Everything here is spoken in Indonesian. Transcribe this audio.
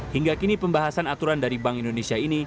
hingga kini pembahasan aturan dari bank indonesia ini